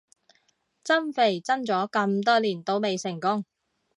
增肥增咗咁多年都未成功